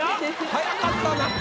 早かったな。